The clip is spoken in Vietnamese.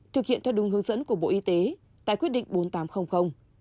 thực hiện theo đúng hướng dẫn của bộ y tế tại quyết định bốn nghìn tám trăm linh